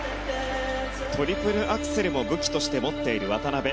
トリプルアクセルも武器として持っている渡辺。